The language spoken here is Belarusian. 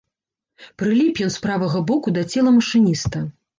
Прыліп ён з правага боку да цела машыніста.